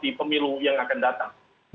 di pemilu yang akan datang